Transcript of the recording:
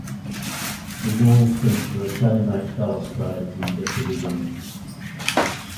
The walls feature Italianate balustrades and decorative urns.